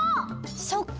そっか！